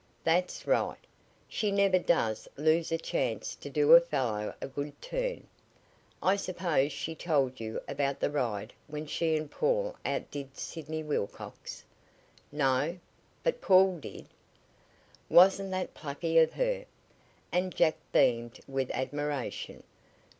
"That's right. She never does lose a chance to do a fellow a good turn. I suppose she told you about the ride when she and Paul outdid Sidney Wilcox?" "No; but Paul did. Wasn't that plucky of her?" and Jack beamed with admiration.